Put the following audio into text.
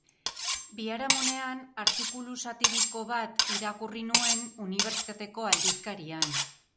Biharamunean, artikulu satiriko bat irakurri nuen unibertsitateko aldizkarian.